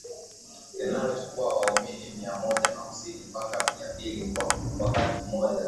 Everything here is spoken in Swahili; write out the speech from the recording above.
Linachukua waumini mia moja hamsini mpaka mia mbili kwa wakati mmoja